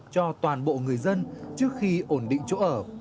cho toàn bộ người dân trước khi ổn định chỗ ở